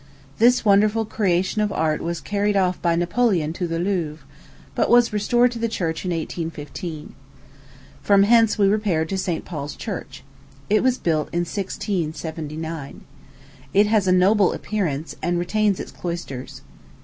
This wonderful creation of art was carried off by Napoleon to the Louvre, but was restored to the church in 1815. From hence we repaired to St. Paul's Church. It was built in 1679. It has a noble appearance, and retains its cloisters.